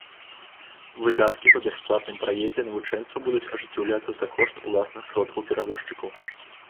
Выдаткі па бясплатным праездзе навучэнцаў будуць ажыццяўляцца за кошт уласных сродкаў перавозчыкаў.